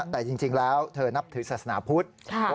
แต่จริงแล้วเธอนับถือศาสนาพุทธ